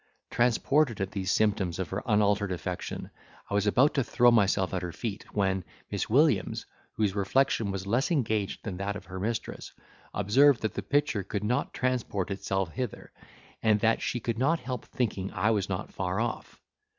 Transported at these symptoms of her unaltered affection, I was about to throw myself at her feet, when Miss Williams, whose reflection was less engaged than that of her mistress, observed that the picture could not transport itself hither, and that she could not help thinking I was not far off.